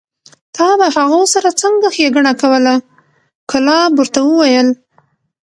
تا به هغو سره څنګه ښېګڼه کوله؟ کلاب ورته وویل: